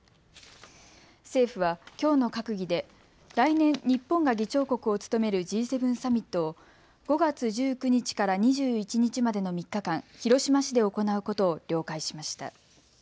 政府はきょうの閣議で来年、日本が議長国を務めるＧ７サミットを５月１９日から２１日までの３日間、広島市で行うことを了解しました。